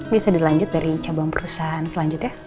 bisa dilanjut dari cabang perusahaan selanjutnya